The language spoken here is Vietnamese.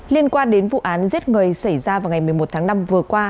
liên quan đến vụ án giết người xảy ra vào ngày một mươi một tháng năm vừa qua